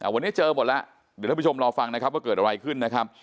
วันนี้เจอหมดแล้วเดี๋ยวจำน้ำรกษุมรอฟังว่าเกิดอะไรขึ้น